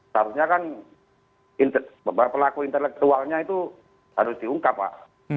seharusnya kan pelaku intelektualnya itu harus diungkap pak